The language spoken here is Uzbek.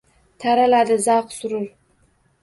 Taraladi zavq-surur.